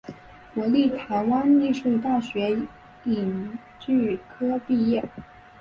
国立台湾艺术大学影剧科毕业。